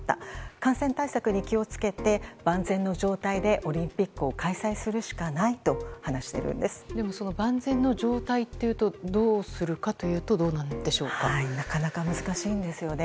感染対策に気を付けて万全の状態でオリンピックを開催するしかないとでも、その万全の状態というとどうするかというとなかなか難しいんですよね。